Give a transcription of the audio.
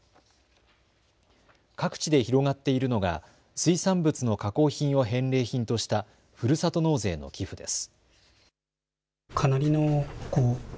各地で広がっているのが水産物の加工品を返礼品としたふるさと納税の寄付です。